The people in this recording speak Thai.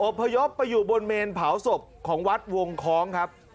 พยพไปอยู่บนเมนเผาศพของวัดวงคล้องครับ